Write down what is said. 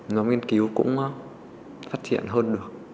nó nghiên cứu cũng phát triển hơn được